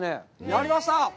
やりました！